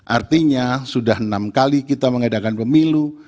artinya sudah enam kali kita mengadakan pemilu